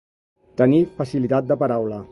Tenir facilitat de paraula.